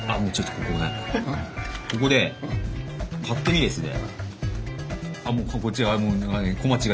ここで勝手にですね。